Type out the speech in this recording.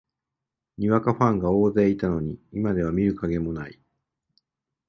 にわかファンが大勢いたのに、今では見る影もない